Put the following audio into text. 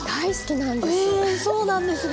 えそうなんですね！